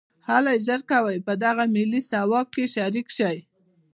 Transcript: هلئ ژر کوئ او په دغه ملي ثواب کې شریک شئ